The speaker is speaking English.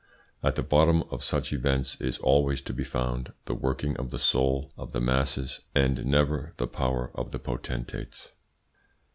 At the bottom of such events is always to be found the working of the soul of the masses, and never the power of potentates.